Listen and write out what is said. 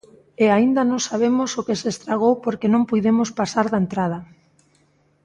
E aínda non sabemos o que se estragou porque non puidemos pasar da entrada.